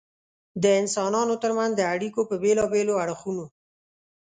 د انسانانو تر منځ د اړیکو په بېلابېلو اړخونو.